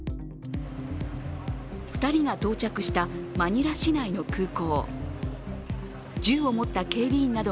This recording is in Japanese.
２人が到着したマニラ市内の空港。